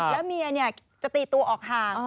แล้วเมียจะตีตัวออกห่าง